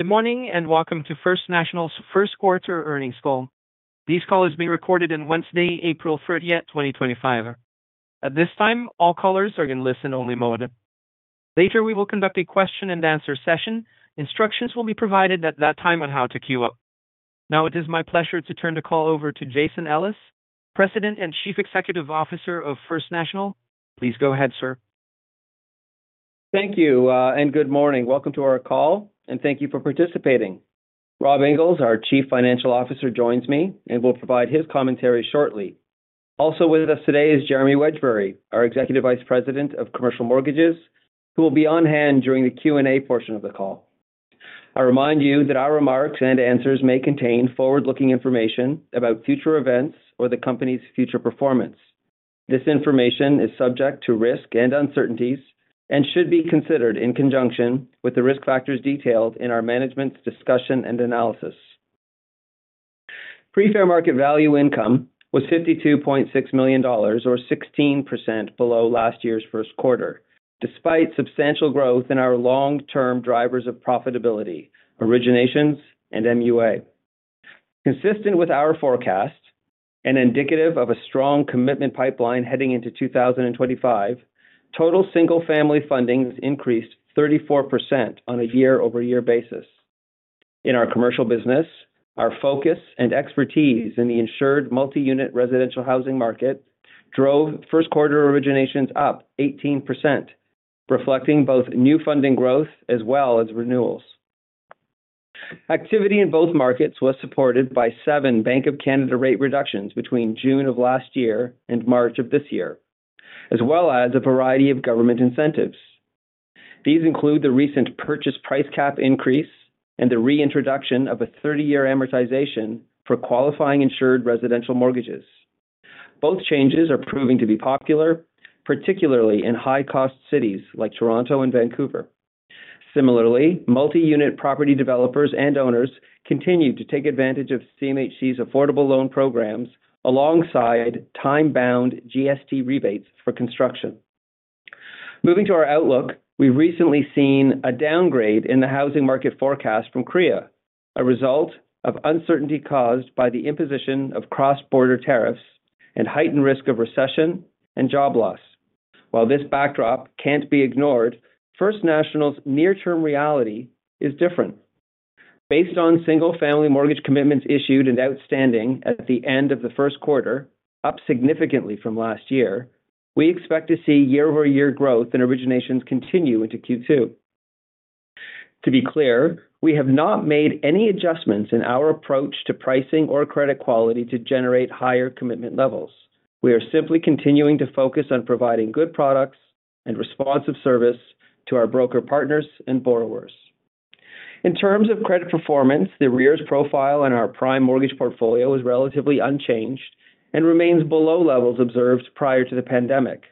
Good morning and welcome to First National's First Quarter Earnings Call. These calls may be recorded on Wednesday, April 30, 2025. At this time, all callers are in listen-only mode. Later, we will conduct a question-and-answer session. Instructions will be provided at that time on how to queue up. Now, it is my pleasure to turn the call over to Jason Ellis, President and Chief Executive Officer of First National. Please go ahead, sir. Thank you, and good morning. Welcome to our call, and thank you for participating. Rob Inglis, our Chief Financial Officer, joins me and will provide his commentary shortly. Also with us today is Jeremy Wedgbury, our Executive Vice President of Commercial Mortgages, who will be on hand during the Q&A portion of the call. I remind you that our remarks and answers may contain forward-looking information about future events or the company's future performance. This information is subject to risk and uncertainties and should be considered in conjunction with the risk factors detailed in our management's discussion and analysis. Pre-fair market value income was 52.6 million dollars, or 16% below last year's first quarter, despite substantial growth in our long-term drivers of profitability, originations, and MUA. Consistent with our forecast and indicative of a strong commitment pipeline heading into 2025, total single-family funding increased 34% on a year-over-year basis. In our commercial business, our focus and expertise in the insured multi-unit residential housing market drove first-quarter originations up 18%, reflecting both new funding growth as well as renewals. Activity in both markets was supported by seven Bank of Canada rate reductions between June of last year and March of this year, as well as a variety of government incentives. These include the recent purchase price cap increase and the reintroduction of a 30-year amortization for qualifying insured residential mortgages. Both changes are proving to be popular, particularly in high-cost cities like Toronto and Vancouver. Similarly, multi-unit property developers and owners continue to take advantage of CMHC's affordable loan programs alongside time-bound GST rebates for construction. Moving to our outlook, we've recently seen a downgrade in the housing market forecast from CREA, a result of uncertainty caused by the imposition of cross-border tariffs and heightened risk of recession and job loss. While this backdrop can't be ignored, First National's near-term reality is different. Based on single-family mortgage commitments issued and outstanding at the end of the first quarter, up significantly from last year, we expect to see year-over-year growth in originations continue into Q2. To be clear, we have not made any adjustments in our approach to pricing or credit quality to generate higher commitment levels. We are simply continuing to focus on providing good products and responsive service to our broker partners and borrowers. In terms of credit performance, the arrears profile in our Prime Mortgage portfolio is relatively unchanged and remains below levels observed prior to the pandemic.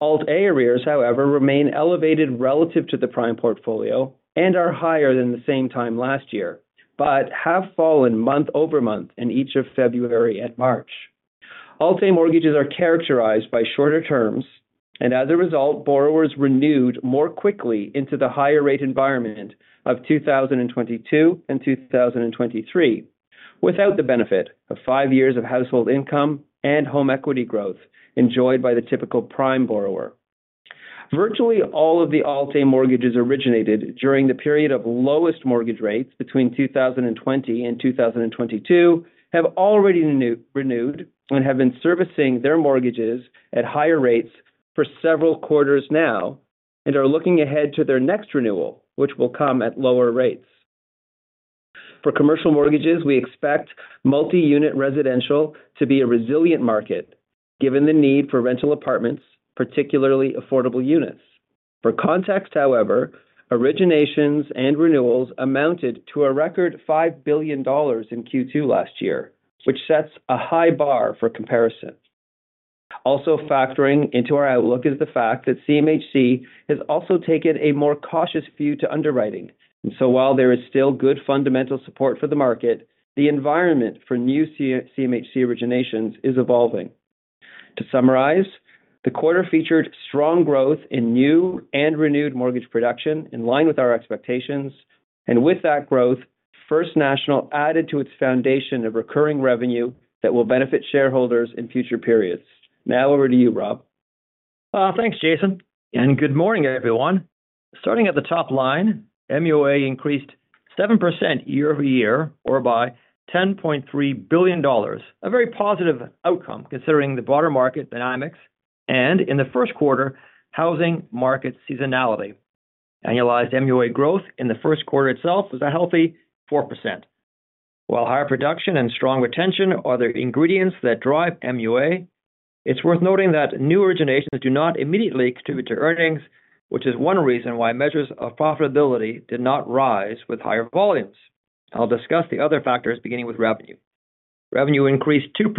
Alt-A arrears, however, remain elevated relative to the Prime portfolio and are higher than the same time last year but have fallen month over month in each of February and March. Alt-A mortgages are characterized by shorter terms, and as a result, borrowers renewed more quickly into the higher-rate environment of 2022 and 2023 without the benefit of five years of household income and home equity growth enjoyed by the typical Prime borrower. Virtually all of the Alt-A mortgages originated during the period of lowest mortgage rates between 2020 and 2022 have already renewed and have been servicing their mortgages at higher rates for several quarters now and are looking ahead to their next renewal, which will come at lower rates. For commercial mortgages, we expect multi-unit residential to be a resilient market given the need for rental apartments, particularly affordable units. For context, however, originations and renewals amounted to a record 5 billion dollars in Q2 last year, which sets a high bar for comparison. Also factoring into our outlook is the fact that CMHC has also taken a more cautious view to underwriting. While there is still good fundamental support for the market, the environment for new CMHC originations is evolving. To summarize, the quarter featured strong growth in new and renewed mortgage production in line with our expectations. With that growth, First National added to its foundation of recurring revenue that will benefit shareholders in future periods. Now, over to you, Rob. Thanks, Jason. Good morning, everyone. Starting at the top line, MUA increased 7% year-over-year, or by 10.3 billion dollars, a very positive outcome considering the broader market dynamics and, in the first quarter, housing market seasonality. Annualized MUA growth in the first quarter itself was a healthy 4%. While higher production and strong retention are the ingredients that drive MUA, it's worth noting that new originations do not immediately contribute to earnings, which is one reason why measures of profitability did not rise with higher volumes. I'll discuss the other factors, beginning with revenue. Revenue increased 2%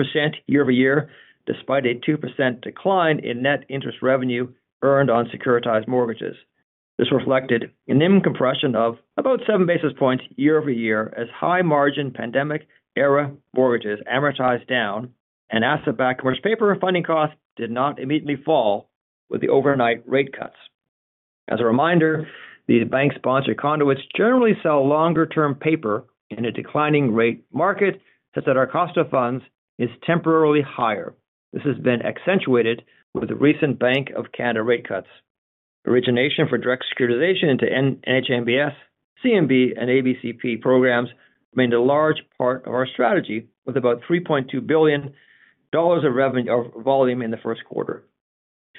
year-over-year, despite a 2% decline in net interest revenue earned on securitized mortgages. This reflected a NIM compression of about seven basis points year-over-year as high-margin pandemic-era mortgages amortized down and asset-backed commercial paper funding costs did not immediately fall with the overnight rate cuts. As a reminder, the bank-sponsored conduits generally sell longer-term paper in a declining rate market such that our cost of funds is temporarily higher. This has been accentuated with the recent Bank of Canada rate cuts. Origination for direct securitization into NHA MBS, CMB, and ABCP programs remained a large part of our strategy, with about 3.2 billion dollars of revenue volume in the first quarter.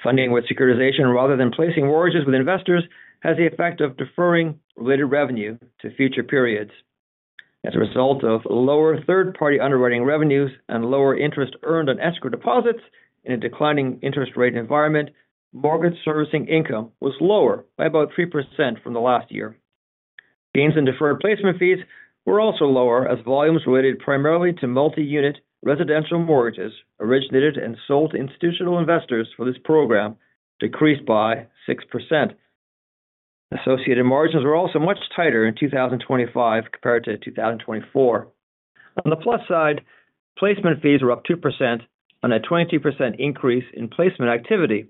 Funding with securitization, rather than placing mortgages with investors, has the effect of deferring related revenue to future periods. As a result of lower third-party underwriting revenues and lower interest earned on escrow deposits in a declining interest rate environment, mortgage servicing income was lower by about 3% from last year. Gains in deferred placement fees were also lower as volumes related primarily to multi-unit residential mortgages originated and sold to institutional investors for this program decreased by 6%. Associated margins were also much tighter in 2025 compared to 2024. On the plus side, placement fees were up 2% on a 22% increase in placement activity.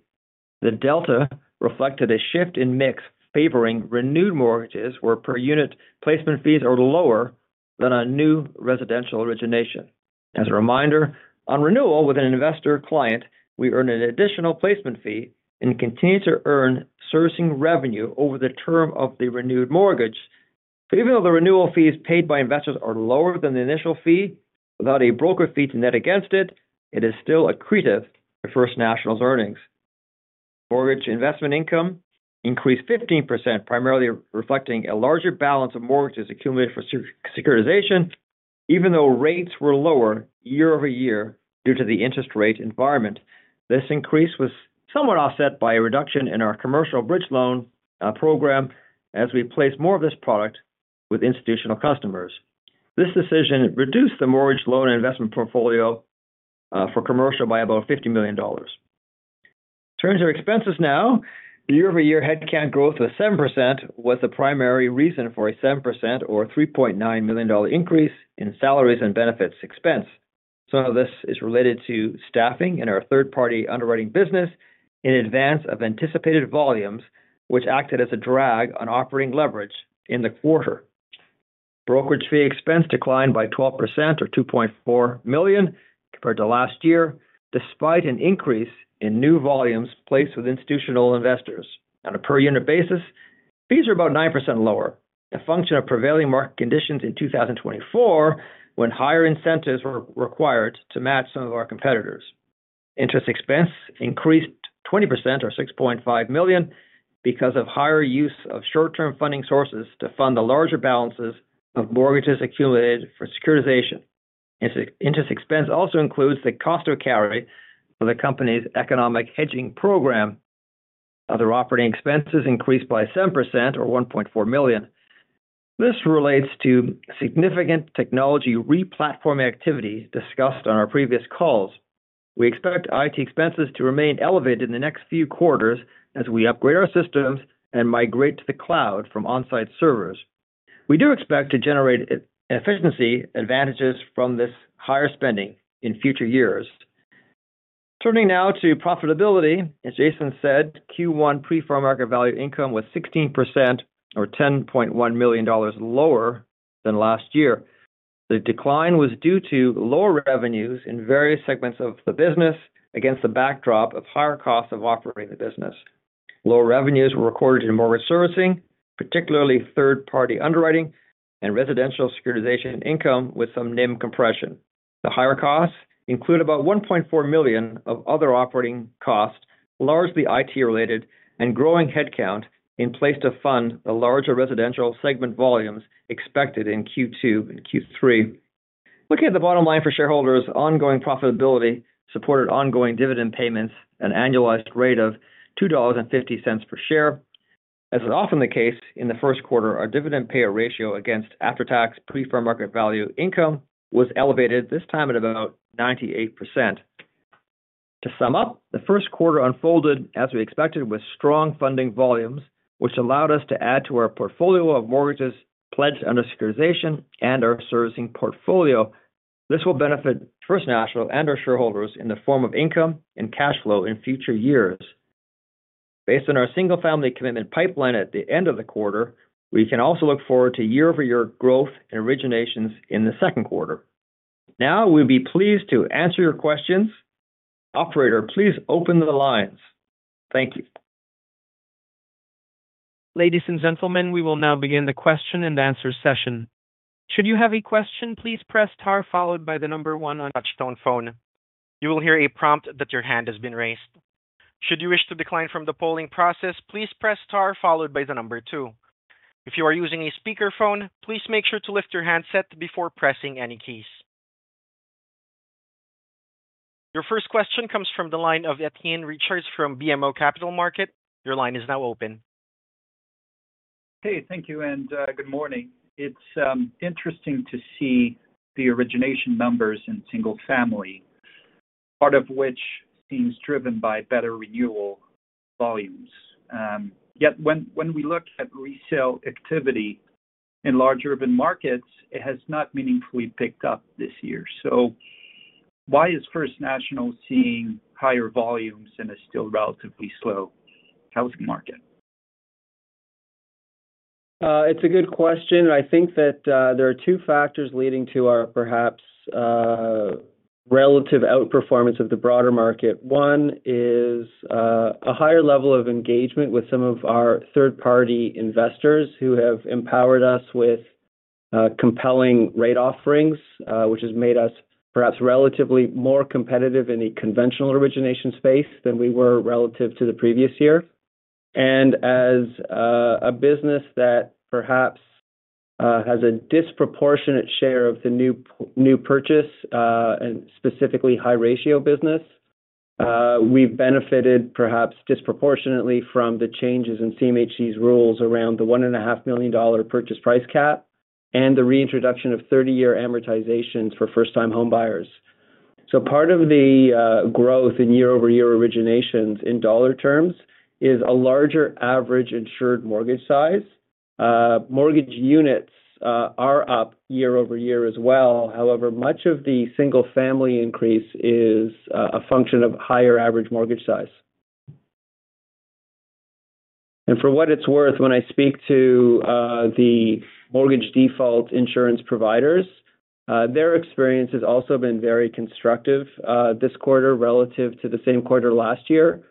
The delta reflected a shift in mix favoring renewed mortgages where per-unit placement fees are lower than on new residential origination. As a reminder, on renewal with an investor client, we earn an additional placement fee and continue to earn servicing revenue over the term of the renewed mortgage. Even though the renewal fees paid by investors are lower than the initial fee without a broker fee to net against it, it is still accretive to First National's earnings. Mortgage investment income increased 15%, primarily reflecting a larger balance of mortgages accumulated for securitization, even though rates were lower year-over-year due to the interest rate environment. This increase was somewhat offset by a reduction in our commercial bridge loan program as we placed more of this product with institutional customers. This decision reduced the mortgage loan investment portfolio for commercial by about 50 million dollars. In terms of expenses now, year-over-year headcount growth of 7% was the primary reason for a 7%, or 3.9 million dollar, increase in salaries and benefits expense. Some of this is related to staffing in our third-party underwriting business in advance of anticipated volumes, which acted as a drag on operating leverage in the quarter. Brokerage fee expense declined by 12%, or 2.4 million, compared to last year, despite an increase in new volumes placed with institutional investors. On a per-unit basis, fees are about 9% lower, a function of prevailing market conditions in 2024 when higher incentives were required to match some of our competitors. Interest expense increased 20%, or 6.5 million, because of higher use of short-term funding sources to fund the larger balances of mortgages accumulated for securitization. Interest expense also includes the cost of carry for the company's economic hedging program. Other operating expenses increased by 7%, or 1.4 million. This relates to significant technology replatforming activity discussed on our previous calls. We expect IT expenses to remain elevated in the next few quarters as we upgrade our systems and migrate to the cloud from on-site servers. We do expect to generate efficiency advantages from this higher spending in future years. Turning now to profitability, as Jason said, Q1 pre-fair market value income was 16%, or 10.1 million dollars, lower than last year. The decline was due to lower revenues in various segments of the business against the backdrop of higher costs of operating the business. Lower revenues were recorded in mortgage servicing, particularly third-party underwriting and residential securitization income with some NIM compression. The higher costs include about 1.4 million of other operating costs, largely IT-related, and growing headcount in place to fund the larger residential segment volumes expected in Q2 and Q3. Looking at the bottom line for shareholders, ongoing profitability supported ongoing dividend payments at an annualized rate of 2.50 dollars per share. As is often the case in the first quarter, our dividend payout ratio against after-tax pre-fair market value income was elevated, this time at about 98%. To sum up, the first quarter unfolded, as we expected, with strong funding volumes, which allowed us to add to our portfolio of mortgages pledged under securitization and our servicing portfolio. This will benefit First National and our shareholders in the form of income and cash flow in future years. Based on our single-family commitment pipeline at the end of the quarter, we can also look forward to year-over-year growth in originations in the second quarter. Now, we'd be pleased to answer your questions. Operator, please open the lines. Thank you. Ladies and gentlemen, we will now begin the question and answer session. Should you have a question, please press star followed by the number one on your touch-tone phone. You will hear a prompt that your hand has been raised. Should you wish to decline from the polling process, please press * followed by the number two. If you are using a speakerphone, please make sure to lift your handset before pressing any keys. Your first question comes from the line of Étienne Ricard from BMO Capital Markets. Your line is now open. Hey, thank you and good morning. It's interesting to see the origination numbers in single-family, part of which seems driven by better renewal volumes. Yet when we look at resale activity in large urban markets, it has not meaningfully picked up this year. Why is First National seeing higher volumes in a still relatively slow housing market? It's a good question. I think that there are two factors leading to our perhaps relative outperformance of the broader market. One is a higher level of engagement with some of our third-party investors who have empowered us with compelling rate offerings, which has made us perhaps relatively more competitive in the conventional origination space than we were relative to the previous year. As a business that perhaps has a disproportionate share of the new purchase, and specifically high-ratio business, we've benefited perhaps disproportionately from the changes in CMHC's rules around the 1.5 million dollar purchase price cap and the reintroduction of 30-year amortizations for first-time homebuyers. Part of the growth in year-over-year originations in dollar terms is a larger average insured mortgage size. Mortgage units are up year-over-year as well. However, much of the single-family increase is a function of higher average mortgage size. For what it's worth, when I speak to the mortgage default insurance providers, their experience has also been very constructive this quarter relative to the same quarter last year.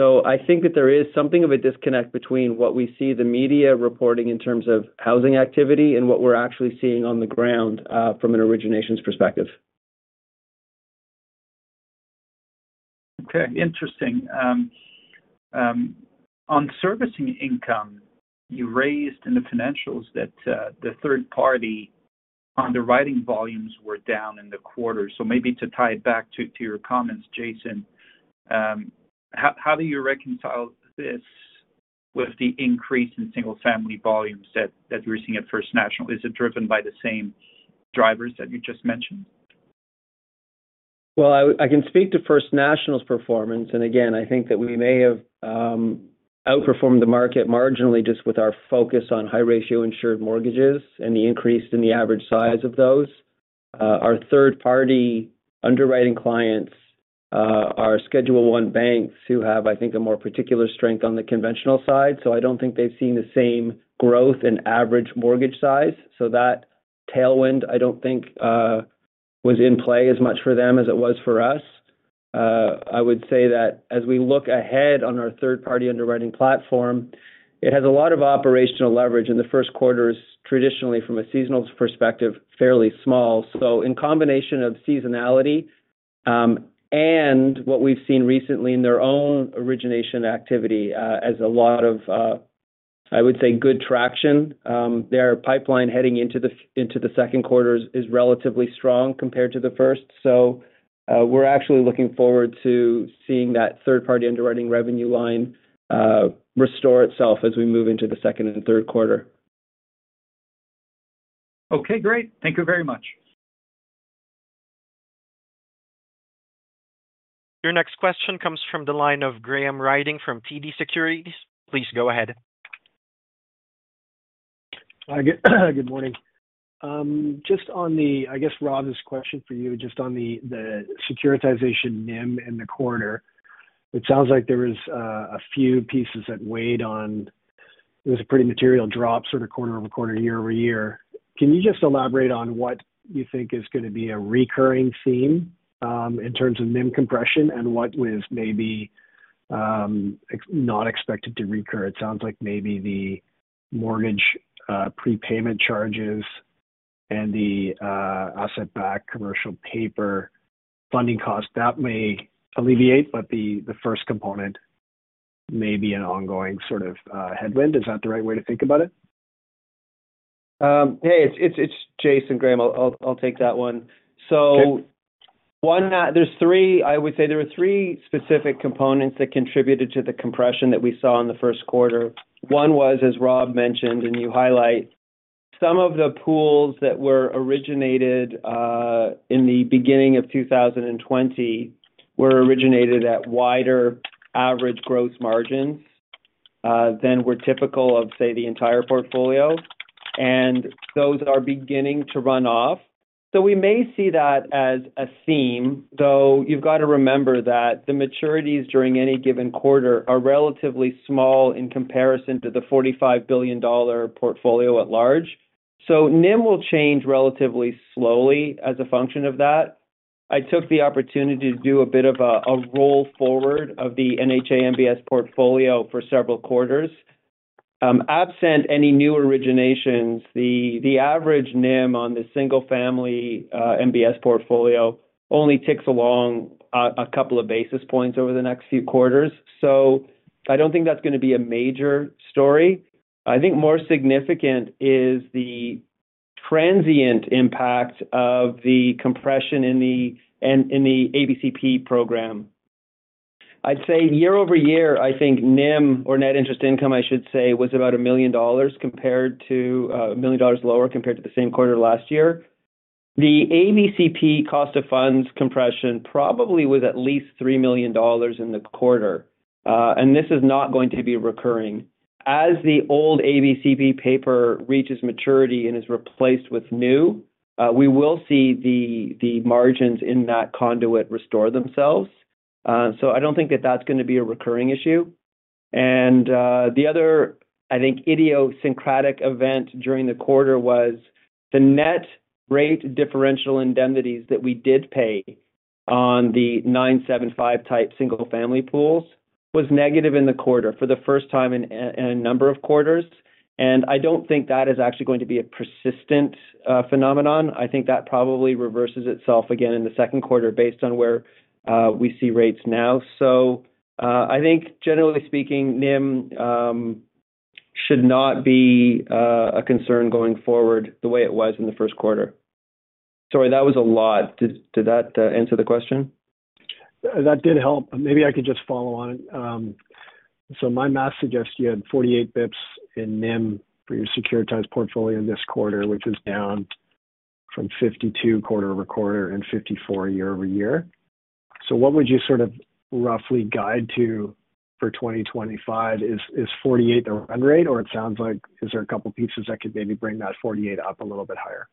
I think that there is something of a disconnect between what we see the media reporting in terms of housing activity and what we're actually seeing on the ground from an originations perspective. Okay, interesting. On servicing income, you raised in the financials that the third-party underwriting volumes were down in the quarter. Maybe to tie it back to your comments, Jason, how do you reconcile this with the increase in single-family volumes that you're seeing at First National? Is it driven by the same drivers that you just mentioned? I can speak to First National's performance. Again, I think that we may have outperformed the market marginally just with our focus on high-ratio insured mortgages and the increase in the average size of those. Our third-party underwriting clients are Schedule I banks who have, I think, a more particular strength on the conventional side. I do not think they have seen the same growth in average mortgage size. That tailwind, I do not think, was in play as much for them as it was for us. I would say that as we look ahead on our third-party underwriting platform, it has a lot of operational leverage. The first quarter is traditionally, from a seasonal perspective, fairly small. In combination of seasonality and what we've seen recently in their own origination activity as a lot of, I would say, good traction, their pipeline heading into the second quarter is relatively strong compared to the first. We are actually looking forward to seeing that third-party underwriting revenue line restore itself as we move into the second and third quarter. Okay, great. Thank you very much. Your next question comes from the line of Graham Ryding from TD Securities. Please go ahead. Good morning. Just on the, I guess, Rob's question for you, just on the securitization NIM in the quarter, it sounds like there were a few pieces that weighed on. There was a pretty material drop sort of quarter-over-quarter, year-over-year. Can you just elaborate on what you think is going to be a recurring theme in terms of NIM compression and what was maybe not expected to recur? It sounds like maybe the mortgage prepayment charges and the asset-backed commercial paper funding cost, that may alleviate, but the first component may be an ongoing sort of headwind. Is that the right way to think about it? Hey, it's Jason Ellis. I'll take that one. There were three, I would say there were three specific components that contributed to the compression that we saw in the first quarter. One was, as Rob Inglis mentioned, and you highlight, some of the pools that were originated in the beginning of 2020 were originated at wider average gross margins than were typical of, say, the entire portfolio. Those are beginning to run off. We may see that as a theme, though you have to remember that the maturities during any given quarter are relatively small in comparison to the 45 billion dollar portfolio at large. NIM will change relatively slowly as a function of that. I took the opportunity to do a bit of a roll forward of the NHA MBS portfolio for several quarters. Absent any new originations, the average NIM on the single-family MBS portfolio only ticks along a couple of basis points over the next few quarters. I do not think that is going to be a major story. I think more significant is the transient impact of the compression in the ABCP program. I would say year-over-year, I think NIM, or net interest income, I should say, was about 1 million dollars lower compared to the same quarter last year. The ABCP cost of funds compression probably was at least 3 million dollars in the quarter. This is not going to be recurring. As the old ABCP paper reaches maturity and is replaced with new, we will see the margins in that conduit restore themselves. I do not think that is going to be a recurring issue. The other, I think, idiosyncratic event during the quarter was the net rate differential indemnities that we did pay on the 975-type single-family pools was negative in the quarter for the first time in a number of quarters. I do not think that is actually going to be a persistent phenomenon. I think that probably reverses itself again in the second quarter based on where we see rates now. I think, generally speaking, NIM should not be a concern going forward the way it was in the first quarter. Sorry, that was a lot. Did that answer the question? That did help. Maybe I could just follow on it. My math suggests you had 48 basis points in NIM for your securitized portfolio this quarter, which is down from 52 quarter-over-quarter and 54 year-over-year. What would you sort of roughly guide to for 2025? Is 48 the run rate, or it sounds like is there a couple of pieces that could maybe bring that 48 up a little bit higher?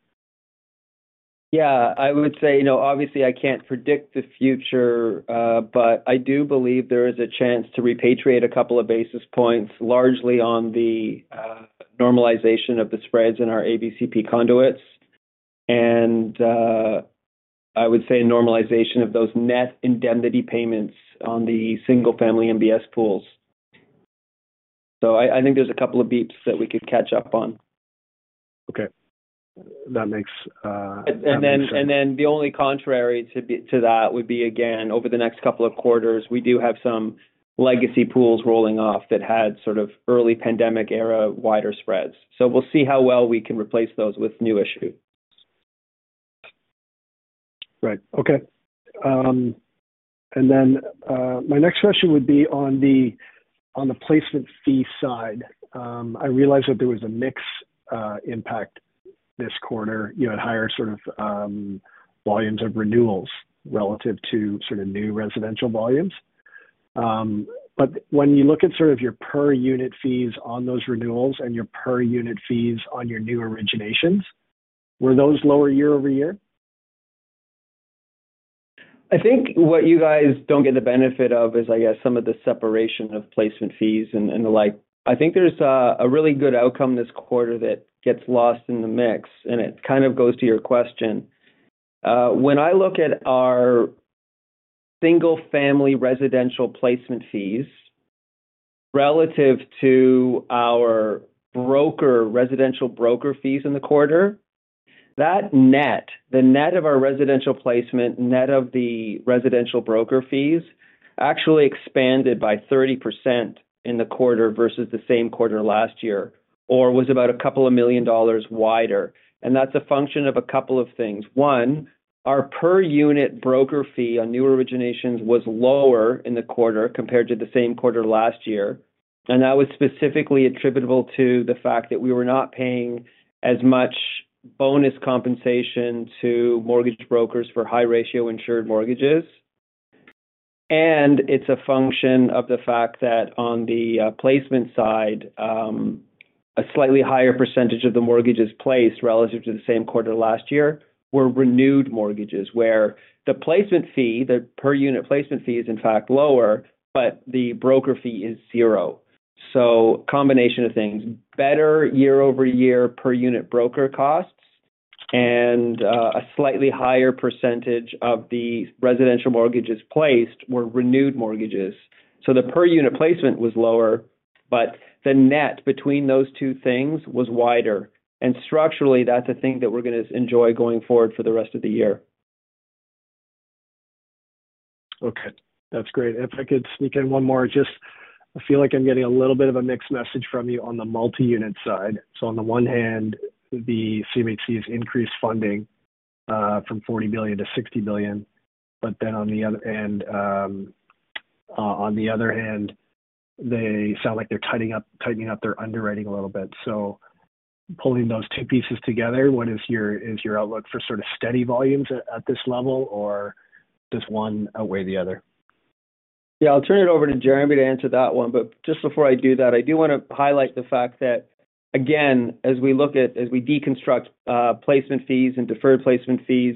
Yeah, I would say, obviously, I can't predict the future, but I do believe there is a chance to repatriate a couple of basis points largely on the normalization of the spreads in our ABCP conduits. I would say a normalization of those net indemnity payments on the single-family MBS pools. I think there's a couple of basis points that we could catch up on. Okay. That makes sense. The only contrary to that would be, again, over the next couple of quarters, we do have some legacy pools rolling off that had sort of early pandemic-era wider spreads. We will see how well we can replace those with new issue. Right. Okay. My next question would be on the placement fee side. I realize that there was a mixed impact this quarter. You had higher sort of volumes of renewals relative to sort of new residential volumes. When you look at sort of your per-unit fees on those renewals and your per-unit fees on your new originations, were those lower year-over-year? I think what you guys don't get the benefit of is, I guess, some of the separation of placement fees and the like. I think there's a really good outcome this quarter that gets lost in the mix. It kind of goes to your question. When I look at our single-family residential placement fees relative to our residential broker fees in the quarter, the net of our residential placement, net of the residential broker fees, actually expanded by 30% in the quarter versus the same quarter last year or was about a couple of million dollars wider. That's a function of a couple of things. One, our per-unit broker fee on new originations was lower in the quarter compared to the same quarter last year. That was specifically attributable to the fact that we were not paying as much bonus compensation to mortgage brokers for high-ratio insured mortgages. It is a function of the fact that on the placement side, a slightly higher percentage of the mortgages placed relative to the same quarter last year were renewed mortgages, where the per-unit placement fee is, in fact, lower, but the broker fee is zero. A combination of things: better year-over-year per-unit broker costs and a slightly higher percentage of the residential mortgages placed were renewed mortgages. The per-unit placement was lower, but the net between those two things was wider. Structurally, that is a thing that we are going to enjoy going forward for the rest of the year. Okay. That's great. If I could sneak in one more, just I feel like I'm getting a little bit of a mixed message from you on the multi-unit side. On the one hand, the CMHC has increased funding from 40 million to 60 million. Then on the other hand, they sound like they're tightening up their underwriting a little bit. Pulling those two pieces together, what is your outlook for sort of steady volumes at this level, or does one outweigh the other? Yeah, I'll turn it over to Jeremy to answer that one. Just before I do that, I do want to highlight the fact that, again, as we look at, as we deconstruct placement fees and deferred placement fees,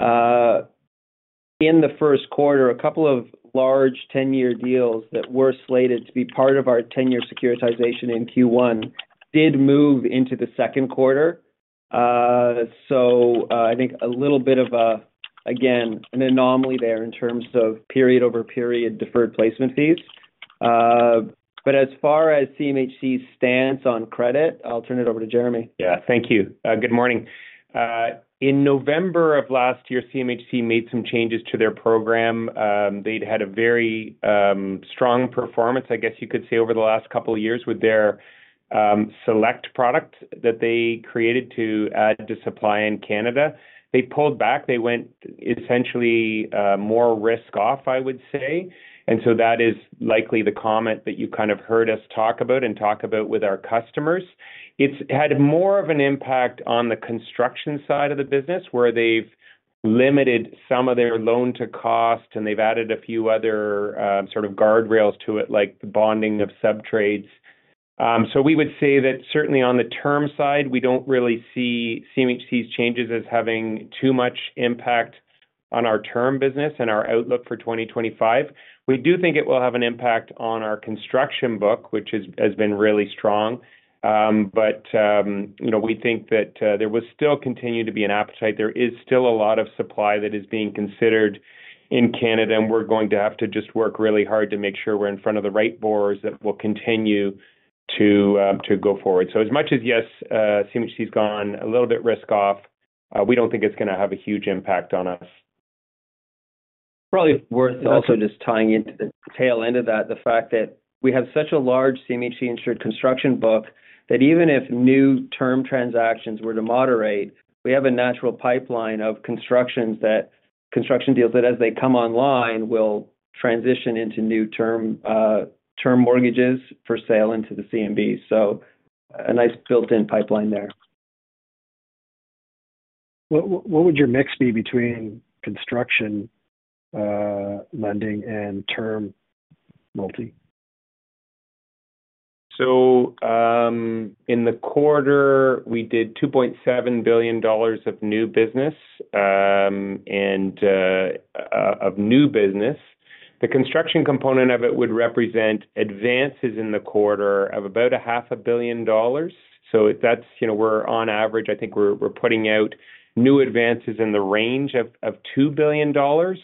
in the first quarter, a couple of large 10-year deals that were slated to be part of our 10-year securitization in Q1 did move into the second quarter. I think a little bit of, again, an anomaly there in terms of period-over-period deferred placement fees. As far as CMHC's stance on credit, I'll turn it over to Jeremy. Yeah. Thank you. Good morning. In November of last year, CMHC made some changes to their program. They'd had a very strong performance, I guess you could say, over the last couple of years with their Select product that they created to add to supply in Canada. They pulled back. They went essentially more risk-off, I would say. That is likely the comment that you kind of heard us talk about and talk about with our customers. It's had more of an impact on the construction side of the business, where they've limited some of their loan-to-cost, and they've added a few other sort of guardrails to it, like the bonding of subtrades. We would say that certainly on the term side, we don't really see CMHC's changes as having too much impact on our term business and our outlook for 2025. We do think it will have an impact on our construction book, which has been really strong. We think that there will still continue to be an appetite. There is still a lot of supply that is being considered in Canada, and we're going to have to just work really hard to make sure we're in front of the right boards that will continue to go forward. As much as, yes, CMHC's gone a little bit risk-off, we don't think it's going to have a huge impact on us. Probably worth also just tying into the tail end of that, the fact that we have such a large CMHC-insured construction book that even if new term transactions were to moderate, we have a natural pipeline of construction deals that, as they come online, will transition into new term mortgages for sale into the CMB. A nice built-in pipeline there. What would your mix be between construction lending and term multi? In the quarter, we did 2.7 billion dollars of new business. Of new business, the construction component of it would represent advances in the quarter of about 500 million dollars. That is where on average, I think we are putting out new advances in the range of 2 billion dollars.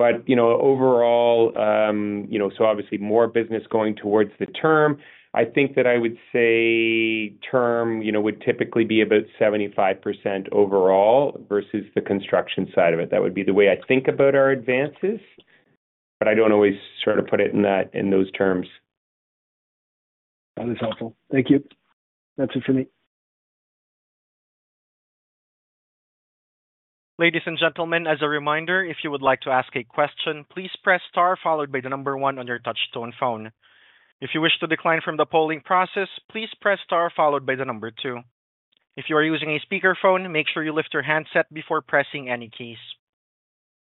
Overall, obviously more business is going towards the term. I think that I would say term would typically be about 75% overall versus the construction side of it. That would be the way I think about our advances. I do not always sort of put it in those terms. That is helpful. Thank you. That's it for me. Ladies and gentlemen, as a reminder, if you would like to ask a question, please press star followed by the number one on your touch-tone phone. If you wish to decline from the polling process, please press star followed by the number two. If you are using a speakerphone, make sure you lift your handset before pressing any keys.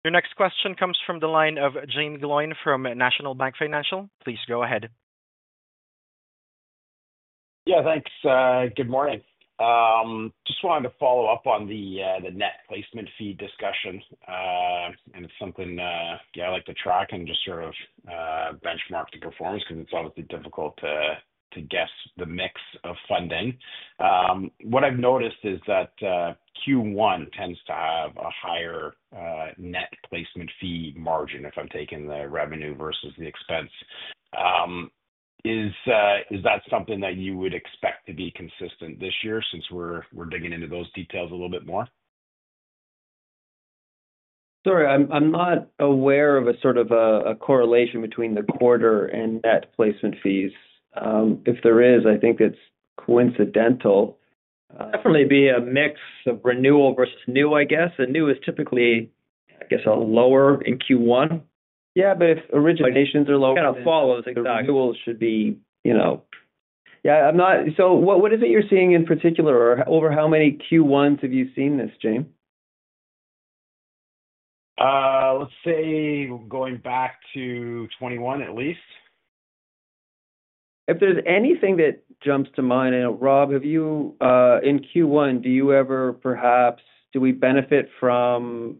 Your next question comes from the line of Jaeme Gloyn from National Bank Financial. Please go ahead. Yeah, thanks. Good morning. Just wanted to follow up on the net placement fee discussion. It's something I like to track and just sort of benchmark the performance because it's obviously difficult to guess the mix of funding. What I've noticed is that Q1 tends to have a higher net placement fee margin, if I'm taking the revenue versus the expense. Is that something that you would expect to be consistent this year since we're digging into those details a little bit more? Sorry, I'm not aware of a sort of a correlation between the quarter and net placement fees. If there is, I think it's coincidental. It'd definitely be a mix of renewal versus new, I guess. New is typically, I guess, lower in Q1. Yeah, if originations are lower. It kind of follows exactly. Renewal should be. Yeah. What is it you're seeing in particular, or over how many Q1s have you seen this, Jaeme? Let's say going back to 2021 at least. If there's anything that jumps to mind, Rob, in Q1, do you ever perhaps do we benefit from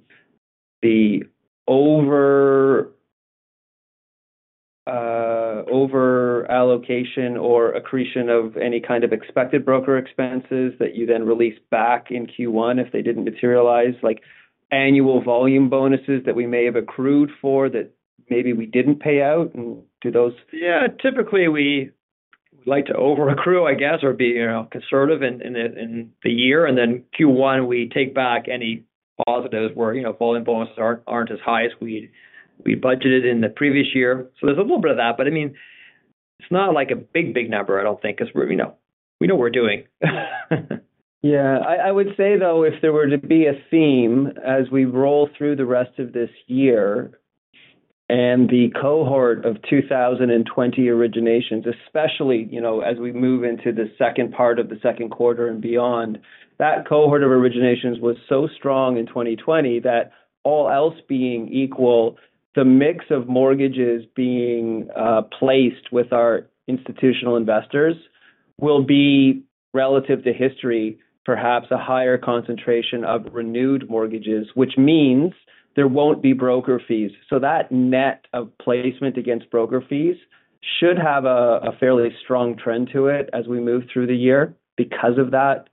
the over-allocation or accretion of any kind of expected broker expenses that you then release back in Q1 if they didn't materialize? Like annual volume bonuses that we may have accrued for that maybe we didn't pay out. Do those? Yeah. Typically, we like to over-accrue, I guess, or be conservative in the year. In Q1, we take back any positives where volume bonuses aren't as high as we budgeted in the previous year. There is a little bit of that. I mean, it's not like a big, big number, I don't think, because we know what we're doing. Yeah. I would say, though, if there were to be a theme as we roll through the rest of this year and the cohort of 2020 originations, especially as we move into the second part of the second quarter and beyond, that cohort of originations was so strong in 2020 that all else being equal, the mix of mortgages being placed with our institutional investors will be, relative to history, perhaps a higher concentration of renewed mortgages, which means there will not be broker fees. That net of placement against broker fees should have a fairly strong trend to it as we move through the year because of that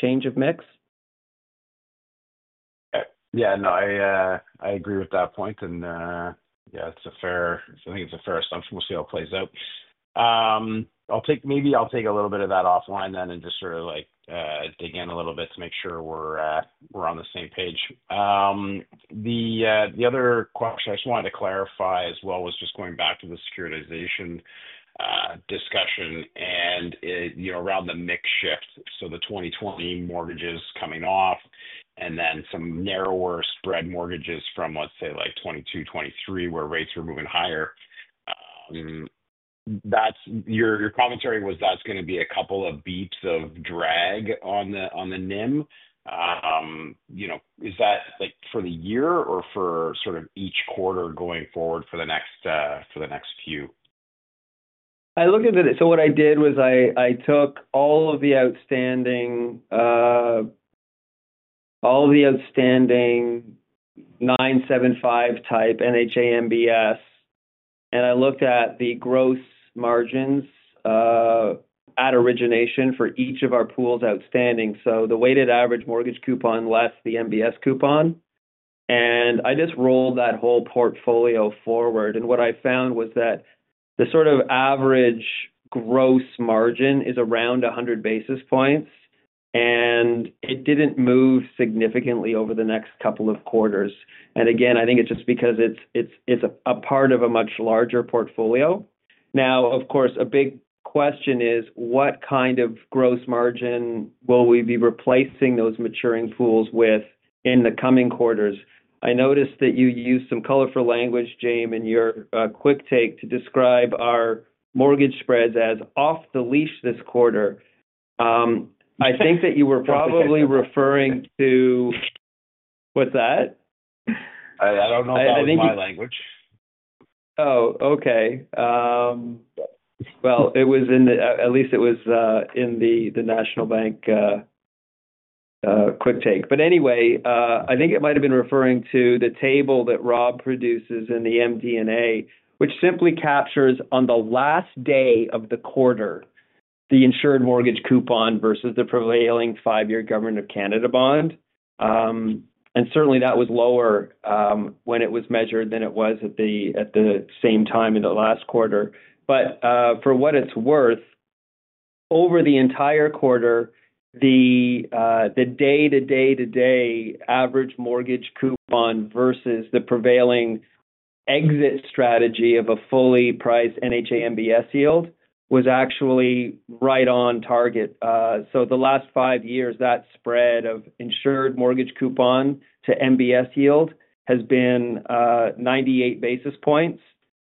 change of mix. Yeah. No, I agree with that point. Yeah, I think it's a fair assumption. We'll see how it plays out. Maybe I'll take a little bit of that offline then and just sort of dig in a little bit to make sure we're on the same page. The other question I just wanted to clarify as well was just going back to the securitization discussion and around the mix shift. The 2020 mortgages coming off and then some narrower spread mortgages from, let's say, 2022, 2023, where rates are moving higher. Your commentary was that's going to be a couple of basis points of drag on the NIM. Is that for the year or for each quarter going forward for the next few? I looked into it. What I did was I took all of the outstanding 975-type NHA MBS, and I looked at the gross margins at origination for each of our pools outstanding. The weighted average mortgage coupon less the MBS coupon. I just rolled that whole portfolio forward. What I found was that the sort of average gross margin is around 100 basis points. It did not move significantly over the next couple of quarters. I think it is just because it is a part of a much larger portfolio. Of course, a big question is, what kind of gross margin will we be replacing those maturing pools with in the coming quarters? I noticed that you used some colorful language, Jaeme, in your quick take to describe our mortgage spreads as off the leash this quarter. I think that you were probably referring to what's that? I don't know if that was my language. Oh, okay. At least it was in the National Bank quick take. Anyway, I think it might have been referring to the table that Rob Inglis produces in the MD&A, which simply captures, on the last day of the quarter, the insured mortgage coupon versus the prevailing five-year Government of Canada bond. Certainly, that was lower when it was measured than it was at the same time in the last quarter. For what it's worth, over the entire quarter, the day-to-day-to-day average mortgage coupon versus the prevailing exit strategy of a fully priced NHA MBS yield was actually right on target. The last five years, that spread of insured mortgage coupon to MBS yield has been 98 basis points.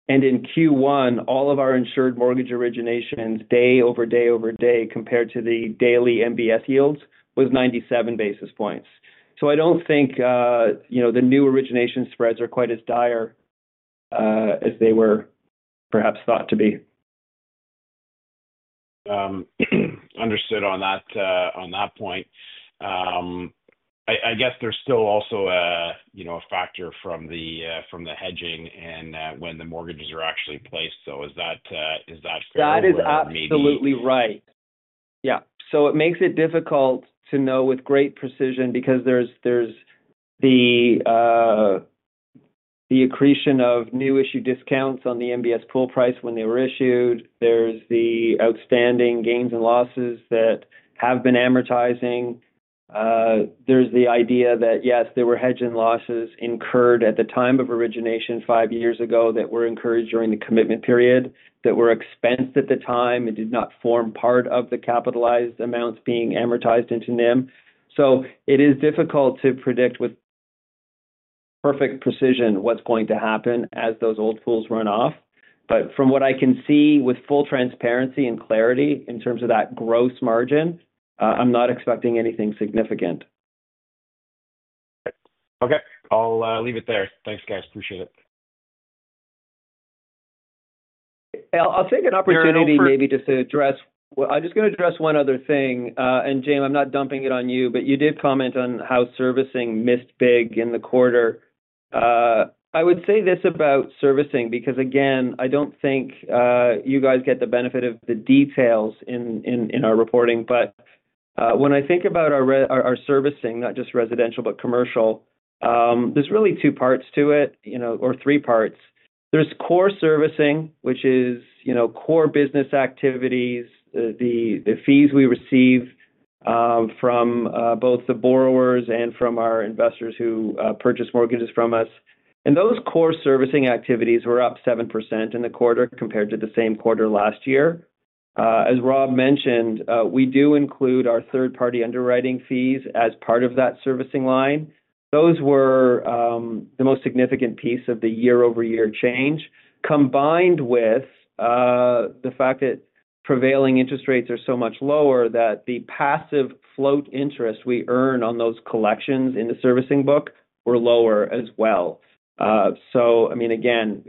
In Q1, all of our insured mortgage originations, day over day over day, compared to the daily MBS yields, was 97 basis points. I don't think the new origination spreads are quite as dire as they were perhaps thought to be. Understood on that point. I guess there's still also a factor from the hedging and when the mortgages are actually placed. Is that fair enough? That is absolutely right. Yeah. It makes it difficult to know with great precision because there is the accretion of new issue discounts on the MBS pool price when they were issued. There are the outstanding gains and losses that have been amortizing. There is the idea that, yes, there were hedges and losses incurred at the time of origination five years ago that were incurred during the commitment period that were expensed at the time and did not form part of the capitalized amounts being amortized into NIM. It is difficult to predict with perfect precision what is going to happen as those old pools run off. From what I can see with full transparency and clarity in terms of that gross margin, I am not expecting anything significant. Okay. I'll leave it there. Thanks, guys. Appreciate it. I'll take an opportunity maybe just to address, I'm just going to address one other thing. Jaeme, I'm not dumping it on you, but you did comment on how servicing missed big in the quarter. I would say this about servicing because, again, I don't think you guys get the benefit of the details in our reporting. When I think about our servicing, not just residential but commercial, there are really two parts to it or three parts. There is core servicing, which is core business activities, the fees we receive from both the borrowers and from our investors who purchase mortgages from us. Those core servicing activities were up 7% in the quarter compared to the same quarter last year. As Rob mentioned, we do include our third-party underwriting fees as part of that servicing line. Those were the most significant piece of the year-over-year change combined with the fact that prevailing interest rates are so much lower that the passive float interest we earn on those collections in the servicing book were lower as well. I mean, again,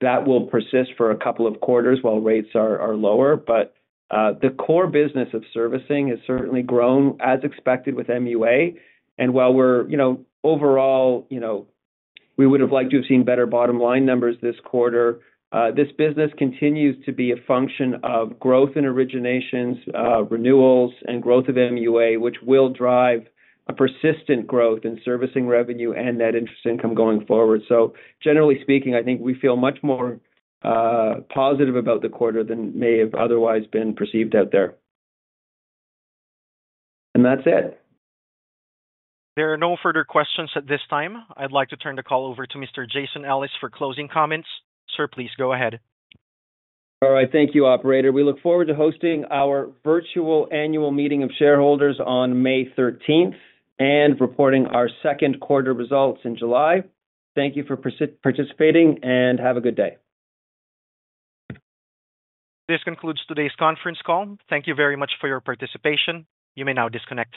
that will persist for a couple of quarters while rates are lower. The core business of servicing has certainly grown as expected with MUA. While overall, we would have liked to have seen better bottom line numbers this quarter, this business continues to be a function of growth in originations, renewals, and growth of MUA, which will drive a persistent growth in servicing revenue and net interest income going forward. Generally speaking, I think we feel much more positive about the quarter than may have otherwise been perceived out there. That's it. There are no further questions at this time. I'd like to turn the call over to Mr. Jason Ellis for closing comments. Sir, please go ahead. All right. Thank you, Operator. We look forward to hosting our virtual annual meeting of shareholders on May 13th and reporting our second quarter results in July. Thank you for participating and have a good day. This concludes today's conference call. Thank you very much for your participation. You may now disconnect.